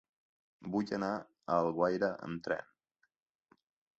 Vull anar a Alguaire amb tren.